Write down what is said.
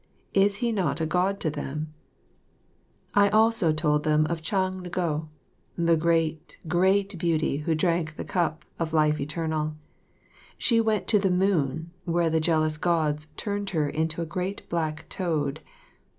Is he not a God to them?" I told them also of Chang ngo, the great, great beauty who drank the cup of life eternal. She went to the moon, where the jealous Gods turned her into a great black toad.